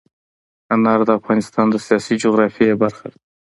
انار د افغانستان د سیاسي جغرافیه برخه ده.